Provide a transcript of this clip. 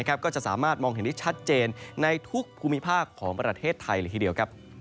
ก็จะสามารถมองเห็นได้ชัดเจนในทุกภูมิภาคของประเทศไทยเลยทีเดียว